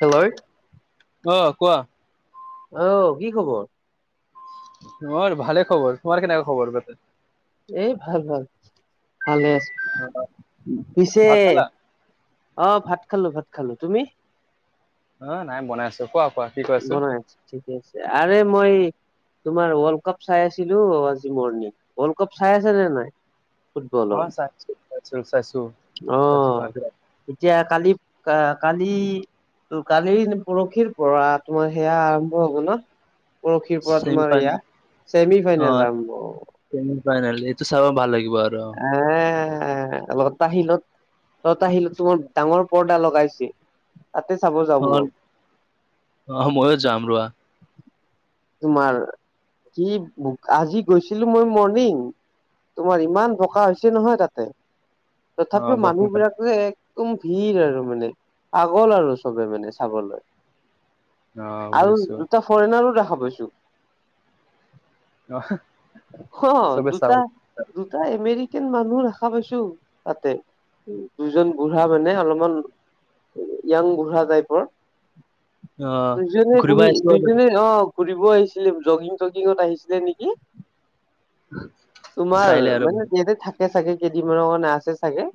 Hello অ কোৱা অহ কি খবৰ তোমাৰ ভালে খবৰ তোমাৰ কেনেকা খবৰ বোৰ এই ভাল ভাল ভালে আছো অ পিছে ভাত খালা অ ভাত খালো ভাত খালো তুমি অ নাই বনাই আছো কোৱা কোৱা কি কৈছো বনাই ঠিকে আছে আৰে মই তোমাৰ ৱৰ্ল্ড কাপ চাই আছিলো আজি মৰ্ণং ৱৰ্ল্ড কাপ চাই আছে নে নাই অ ফুটবলৰ চাইছো চাইছো অ এতিয়া কালি কালি ত কালি পৰহিৰ পৰা তোমাৰ সেয়া আৰম্ভ হব ন পৰশিৰ পৰা চেমি তোমাৰ এয়া ফাইনেল ছেমি ফাইনেল আৰম্ভ হব পাই এইটো ছাৰ ভাল লাগিব আৰু এ লতা শিলত লতা শিলত তো মোৰ ডাঙৰ পৰ্দা লগাইছে তাতে চাব যাওঁ অ মই অ ময়ো যাম ৰোৱা তোমাৰ কি আজি গৈছিলো মই মৰ্ণিং তোমাৰ ইমান বোকা হৈছে নহয় তাতে অ তথাপিও বৰষুণ মানুহ কাল, বিলাকে একদম ভিৰ আৰু মানে পাগল আৰু চবে মানে চাবলৈ অ আৰু বুজিছো দুটা ফৰেনাৰো দেখা পাইছো অ অ চবে চাব দুুটা দুটা এমেৰিকান মানুহ দেখা পাইছো তাতে দুজন বুঢ়া মানে অলপমান য়াং বুঢ়া টাইপৰ অ দুজনে ঘূৰিব বহি আহিছো আৰু দুইজনে অ ফুৰিব আহিছিলে জগিং চগিঙত আহিছিলে নেকি তোমাৰ চাইলে আৰু মানে ইয়াতে থাকে চাগে কেইদিনমানৰ কাৰণে আছে চাগে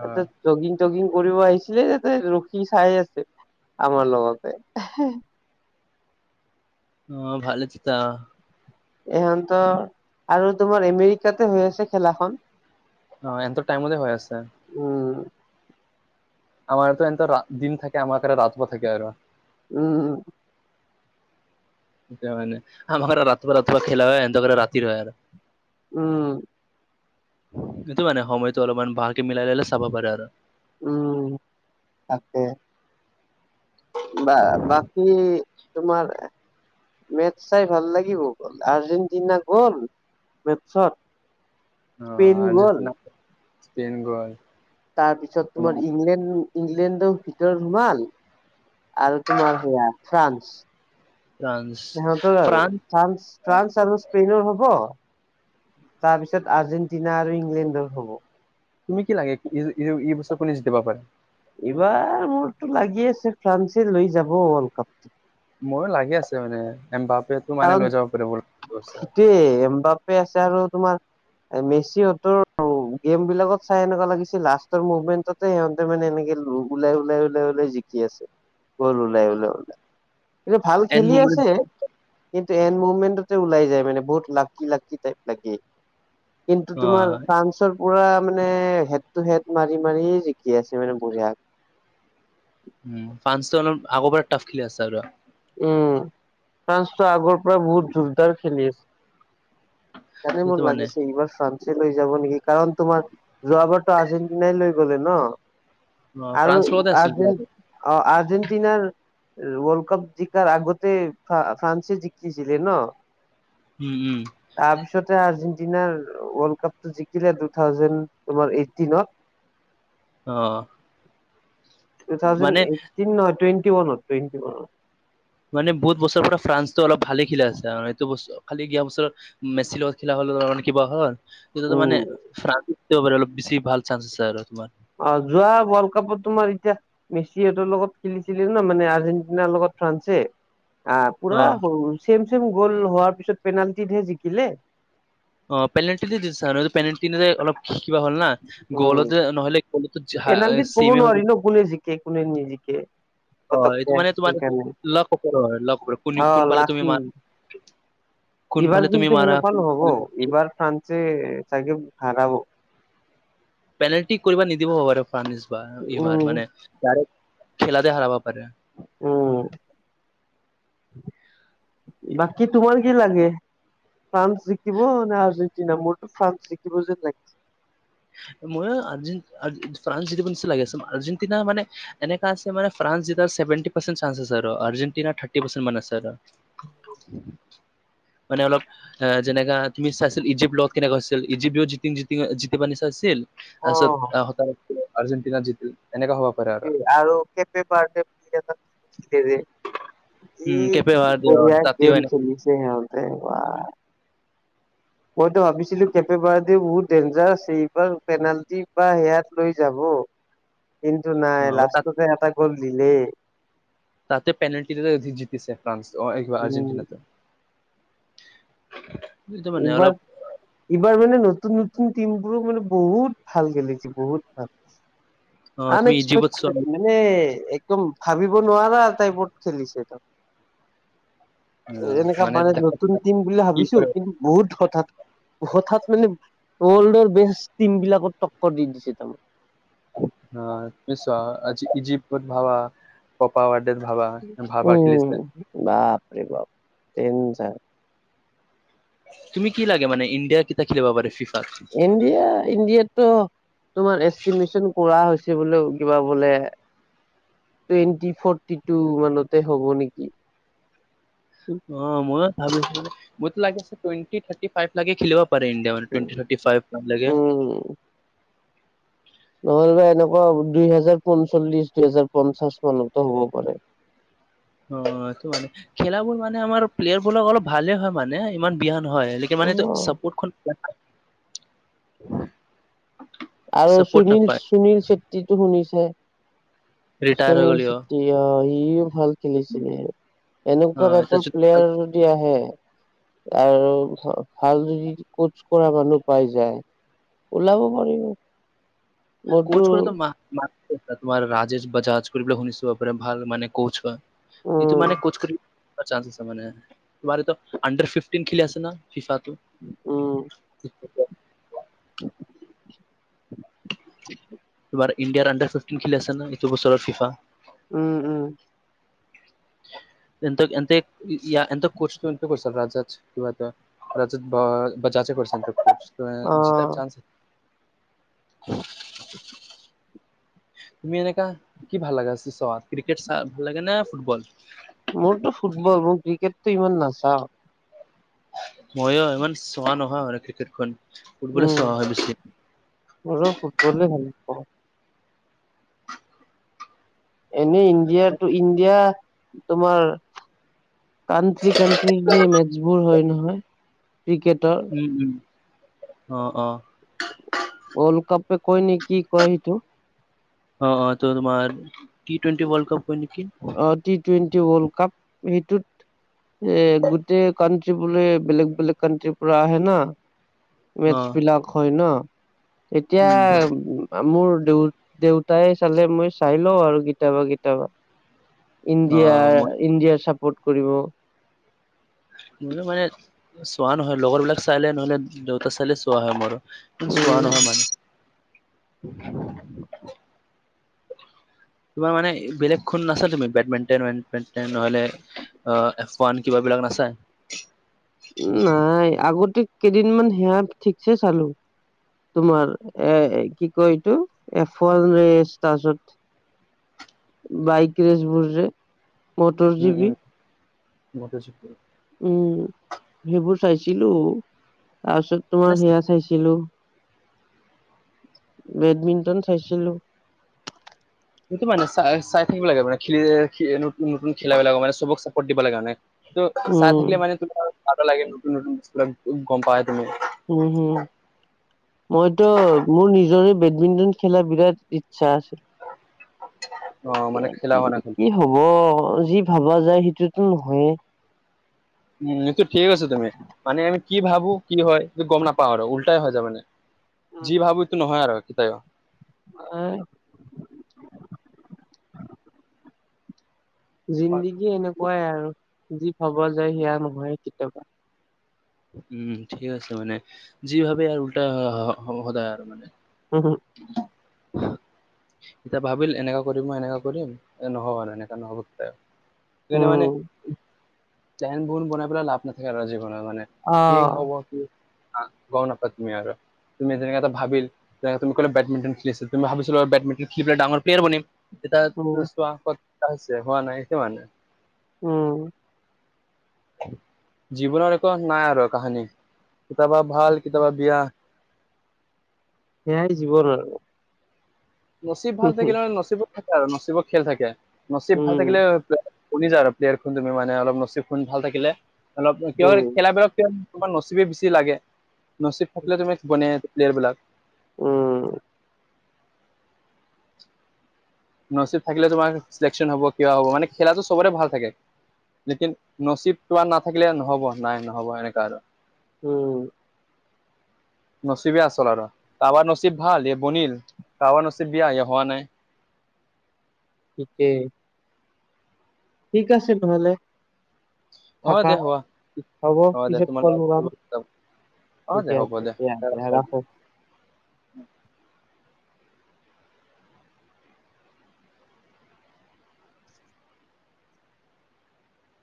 অ এতে জগিং টগিং কৰিব আহিছিলে তাতে ৰখি চাই আছে আমাৰ লগতে অ ভালে থিতা ইহঁতৰ আৰু তোমাৰ এমেৰিকাতে হৈ আছে খেলাখন। অ' ইহঁতৰ টাইমতে হৈ আছে। উম। [unintelligible] দিন থাকে, আমাৰ কাৰ ৰাতবা থাকে আৰু। উম, উ। তাকে মানে আমাৰ [unintelligible] খেলা হয় এনতৰ ৰাতি হয় আৰু। উম। [unintelligible] মানে সময়টো অলপমান ভালকে মিলাই ললে চাব পাৰে আৰু। উম। তাকে। বা বাকী তোমাৰ মেটচ চাই ভাল লাগিব, আৰ্জেণ্টিনা গ'ল মেচত স্পেইন অ' গ'ল আৰ্জেণ্টিনা স্পেইন গ'ল। তাৰপিছত তোমাৰ ইংলেণ্ড ইংলেণ্ডৰ ভিতৰত সোমাল আৰু তোমাৰ সেয়া ফ্ৰান্স। ফ্ৰান্স সিহঁতৰ আৰু ফ্ৰান্স ফ্ৰান্স আৰু স্পেইনৰ হ'ব তাৰপিছত আৰ্জেণ্টিনা আৰু ইংলেণ্ডৰ হ'ব। তুমি কি লাগে এ-এ-এই বছৰ কোনে জিকিব পাৰে? এইবাৰ মোৰতো লাগি আছে ফ্ৰান্সে লৈ যাব ৱৰ্ল্ড কাপটো। ময়ো লাগি আছে মানে এম্বাপেত কাৰণ সেইটোৱেই এম বাপে আছে আৰু তোমাৰ মেচিহঁতৰ গেমবিলাকত চাই এনেকুৱা লাগিছিল লাষ্টৰ মুভমেন্টত তে সিহঁতে মানে এনেকে ওলাই ওলাই ওলাই ওলাই জিকি আছে, গ'ল ওলাই ওলাই ওলাই। [unintelligible] ভাল এন খেলি মুমেণ্ট আছে। কিন্তু এন্ড মুভমেণ্টতে ওলাই যায় মানে বহুত লাকি লাকি টাইপ লাগে। কিন্তু অ তোমাৰ ফ্ৰান্স [unintelligible] পুৰা মানে হেড টু হেড মাৰি মাৰি জিকি আছে মানে বঢ়িয়া উম, ফান্সটো অলপ আগৰ পৰা টাফ খেলি আছে আৰু। উম, ফ্ৰান্সটো আগৰ পৰা বহুত জোৰদাৰ খেলি আছ জানে সেইটো মৰ মানে লাগিছে এইবাৰ ফান চে লৈ যাব নেকি কাৰণ তোমাৰ যোৱাবাৰটো আৰ্জেন্টিনাই লৈ গলে ন'। অ আৰু ফ্ৰান্স লগতে আছিল আৰ্জেন অ' আৰ্জেণ্টিনাৰ ৱৰ্ল্ড কাপ জিকাৰ আগতে ফা-ফ্ৰান্সে জিকিছিলে ন'? উম, উম। তাৰপিছতে আৰ্জেণ্টিনাৰ ৱৰ্ল্ড কাপটো জিকিলে টু থাউজেণ্ড তোমাৰ এইটিনত। [inaudible] অ'। টু থাউজেণ্ড মানে এইটটিন নহয়, টুৱেনতি ওৱানত টুৱেন্টি ওৱানত। মানে বহুত বছৰৰ পৰা ফ্ৰান্সটো অলপ ভালে খেলি আছে আ, এইটো বছ খালি গিয়া বছৰত মেচিৰ লগত খেলা হ'ল তাৰ কাৰণে কিবা হ'ল তেতিয়াটো মানে উম ফ্ৰান্স [unintelligible] অলপ বেছি ভাল চান্স আছে আৰু তোমাৰ। অ' যোৱা বৰ্ল্ড কাপত তোমাৰ এতিয়া মেছিহঁতৰ লগত খেলিছিলি ন' মানে আৰ্জেণ্টিনাৰ লগত ফ্ৰান্সে আ, অ পুৰা হ চেম চেম গ'ল হোৱাৰ পিছত পেনাল্টিত হে জিকিলে। অ' পেনেলটি দি [unintelligible] আৰু পেনেলটি নিদি অলপ কিবা হল না উম, গলতে নহলে [unintelligible] কে কোনেও নিজিকে। অ এইটো পতককে মানে তোমাৰ সেই লক ওপৰৰ হয় লক ওপৰৰ কোন কাৰণে অ কোনফালে তুমি লাকি। মাৰা কোনফালে এইবাৰ তুমি কিন্তু মাৰা সেনেকুৱা নহ'ব এইবাৰ ফ্ৰান্সে চাগে হাৰাব। পেনাল্টি কৰিব নিদিবব পাৰে ফাৰ এইবাৰ উম মানে ডাৰেক্ট খেলাতে হাৰব পাৰে। উম বাকী তোমাৰ কি লাগে? ফ্ৰান্স জিকিব নে আৰ্জেণ্টিনা মোৰতো ফ্ৰান্স জিকিব যেন লাগিছে। মইও ফ্ৰান্স য নি লাগি আ আৰ্জেণ্টিনা মানে এনেকা আছে মানে ফ্ৰান্স জিকাৰ ছেভেনটি পাৰ্চেন চানছ আছে আৰু আৰ্জেন্টিনাৰ থাৰ্টি পাৰ্চেন মান আছে আৰু উম মানে অলপ এ যেনেকা তুমি চাইছিল ইজিপ্ট লগত কেনেকুৱা আছিল ইজিপ্তৰ [unintelligible] চাইছিল অ তাৰপিছত আৰ্জেণ্টিনা জিতিল এনেকুৱা হ'ব। আৰু কে [unintelligible] বাৰে কি উম কেপে হোৱাৰ দিয়ক, বহৰীয়া তাতেও গেম এনে খেলিছে হেহতে বা। মইতো ভাবিছিলো কেপে বাৰ দি বহুত ডেঞ্জাৰ আছে এইবাৰ পেনাল্টি বা সেয়াত লৈ যাব। কিন্তু নাই তাত লাষ্টতে এটা গ'ল দিলে। তাতে পেনালটি লৈ জিতিছে ফ্ৰান্স অ এই কিবা উম আৰ্জেণ্টিনাটো। এইটো মানে উবাৰ। অলপ এইবাৰ মানে নতুন নতুন টিমবোৰো মানে বহুত ভাল খেলিছে বহুত ভাল। অ তুমি ইজিপ্তত আনএক্সপেক্টেড চোৱা ন। মানে একদম ভাবিব নোৱাৰা তাইপট খেলিছে এডম। অ, এনেকা বোলে মানে দেখা নতুন টিম বুলি কি ভাবিছো কৰে কিন্তু বহুত হঠাৎ হঠাৎ মানে ৱৰ্ল্ডৰ বেষ্ট টিম বিলাকত টক্কৰ দি দিছে একদম। অ পছ আজি ইজিপ্তত ভাবা। পাপা ৱাৰডে ভাবা ভাবা উম খেলিছে। বাপৰে বাপ ডেঞ্জাৰ। তুমি কি লাগে মানে ইণ্ডিয়া কেতিয়া খেলিব পাৰে ফিফাত? এয়া ইণ্ডিয়াততো তোমাৰ এষ্টিমেশচন কৰা হৈছে বোলে কিবা বোলে। টুৱেণ্টি ফৰ্টি টু মানতে হ'ব নেকি? অ মই ভাবো মই লাগে টুৱেন্টি থাৰ্টি ফাইভ লাগে খেলিব পাৰে ইণ্ডিয় মানে। থাৰ ফভ লাগে। উম নহলেবা এনেকুৱা দুই হেজাৰ পঞ্চল্লিশ দুই হোজাৰ পঞ্চাশ মানতো হ'ব পাৰে। অ সেইটো মানে খেলাাবোৰ মানে আমাৰ প্লেয়াৰ বোৰক অলপ ভালে হয় মানে ইমান বিহান হয় একে অ মানে চাপৰ্টখন [unintelligible] আৰু চাপৰ্ট সুনীল নাপায় সুনীল চেত্ৰীটো শুনিছে? ৰিটায়াৰ হৈ সুনীল গ'লেও চেত্ৰী অ সিও ভাল খেলিছিলে অ এনেকুৱা এতিয়া টাইপৰ যদি প্লেয়াৰ। যদি আহে। আৰু ভাল যদি ক'চ কৰা মানুহ পাই যায়। ওলাব পাৰিব। মোৰতো কোচ কৰে [unintelligible] তোমাৰ ৰাজেশ বাজাজ কৰিবাক শুনিছো, বাৰে ভাল মানে ক'চ হয়। এইটো উম মানে [unintelligible] কৰি চানছ আছে মানে, তোমাৰ এইটো আণ্ডাৰ ফিফ্টিন খেলি আছে ন। ফিফাটো। উম তোমাৰ ইণ্ডিয়াৰ আণ্ডাৰ ফিফটিন খেলি আছে না, এইটো বছৰত ফিফা। উম উম। হেঁতক এতে হেঁতক কৈছো বুলি [unintelligible] ৰাজা কিবা এটা ৰাজা বজাজে কৈছে। [unintelligible] ত অ জিতাৰ চান্স [inaudible] তুমি এনেকা কি ভাল লাগা হৈছে চোৱা ক্ৰিকেট ভাল লাগে নে ফুটবল? মোৰটো ফুটবল, মই ক্ৰিকেটতটো ইমান নাচাওঁ। মইয়ো ইমান চোৱা নহয় মানে ক্ৰিকেটখন, উম ফুটবলেই চোৱা হয় বেছিকে। মোৰো ফুটবলেই ভাল পাওঁ। এনেই ইণ্ডিয়াটো ইণ্ডিয়া তোমাৰ কানট্ৰি কানট্ৰিৰ যে মেচবোৰ হয় নহয়, ক্ৰিকেটৰ। উম উম, অ', অ'। ৱৰ্ল্ড কাপেই কয় নে কি কয় সেইটো? অ' অ', তোমাৰ টি টুৱেন্টি ৱৰ্ল্ড কাপ কয় নেকি। অ', টি টুৱেন্টি ৱৰ্ল্ড কাপ সেইটোত এই গোটেই কানট্ৰি বোলে, বেলেগ বেলেগ কানট্ৰিৰ পৰা আহে না। অ মেচ বিলাক হয় ন, এতিয়া মোৰ দেউ দেউতাই চালে, মই চাই লওঁ আৰু কেতিয়াবা কেতিয়াবা। ইণ্ডিয়া, উম অ ইণ্ডিয়াৰ চাপৰ্ট কৰিব। মোৰো মানে চোৱা নহয়, লগৰ বিলাক চালে ন'হলে দেউতাই চালে চোৱা হয় মোৰো। চোৱা নহয় ইমান উম তোমাৰ মানে বেলেগ খন নাচায় তুমি? বেডমিন্টন দেডমিন্টন নহলে এফ ওৱান কিবাবিলাক নাচায়? নাই, আগতে কেইদিনমান সেইয়া ঠিকছে চালো। তোমাৰ এ কি কয় এইটো? এফ ওৱান ৰে স্তাৰ্যত। বাইক ৰেছ বোৰ যে। মটৰ উম জিবি উম, বুজিছো। উম, সেইবোৰ চাইছিলো, তাৰপিছত তোমাৰ সেইয়া চাইছিলো বেডমিণ্টন চাইছিলো। সেইটো মানে চাই চাই থাকিব লাগে মানে, খেলি নতুন খেলাবিলাকক মানে চবক চাপৰ্ট দিব লাগে মানে। ত' চাই থাকিলে উম মানে তোমাৰ ভালো লাগে নতুন নতুন গম পোৱাই তুমি। উম, হুম। মইতো মোৰ নিজৰেই বেডমিন্টন খেলাৰ বিৰাট ইচ্ছা আছে। অ', মানে খেলা মানে কিন্তু তুমি? কি হ'ব, যি ভাবা যায়, সেইটোৱেতো নহয়ে। উম, এইটো ঠিকে কৈছা তুমি, মানে আমি কি ভাবো কি হয় এইটো গম নাপাও আৰু, উল্টাই হৈ যায় মানে। যি ভাবো সেইটো নহয় আৰু সেইটোৱে। এই অ- জিন্দাগী এনেকুৱাই আৰু, যি ভবা যায় সেইয়া নহয় কেতিয়াবা। উম ঠিকে কৈছা অমানে, যি ভাবে আৰু উল্টা হয় সদায় আৰু মানে। হুম হুম। [inaudible] এতিয়া ভাবিম এনেকা কৰিম মই এনেকা কৰিম, নহ'ব এনেকা নহ'ব কেতিয়াও। সেইকাৰনে মানে উম প্লেন বোৰ বনাই পেলাই লাভ নাথাকে আৰু যিকোনো মানে। অ কি হব কি গম নাপাই তুমি আৰু তুমি যেনেকাটো ভাবিল তুমি কলে বেডমিণ্টন খেলিছিলো তুমি ভাবিছিলো বেডমিণ্টন খেলি পেলাই ডাঙৰ প্লেয়াৰ বনিম। উম আছে, হোৱা নাই সেইটোৱে মানে। উম! জীৱনৰ একো নাই আৰু কাহানী! কেতিয়াবা ভাল, কেতিয়াবা বেয়া। সেয়াই জীৱন আৰু! নচীব ভাল থাকিলে মানে, নচীবত থাকে আৰু। নচীবত খেল থাকে, নচীব ভাল উম, থাকিলে! শুনি যা আৰু? প্লেয়াৰ খন তুমি মানে, অলপ নচীব খন ভাল থাকিলে, অলপ কিয় উম, খেলাবিলাক এতিয়া, তোমাৰ নচীবে বেছি লাগে! নচীব থাকিলে, তুমি বনে প্লেয়াৰ বিলাক। উম! নচীব থাকিলে, তোমাৰ ছিলেকশ্যন হ'ব, কিবা হ'ব! মানে, খেলাটো চবৰে ভাল থাকে। লেকিন, নচীব তোমাৰ নাথাকিলে নহ'ব, নাই নহ'ব এনেকুৱা আৰু। উম! নচীবে আচল আৰু! কাৰোবাৰ নচীব ভাল, এই বনিল! কাৰাবাৰ নচীব বেয়া, এই, হোৱা নাই। ঠিকেই! ঠিক আছে নহ'লে। অ থাকা। দে হোৱা হ'ব অ দে পিছত, তোমাৰ ক'ল লগাম। অ দে ঠিকে হ'ব আছে দিয়া! দে। [unintelligible]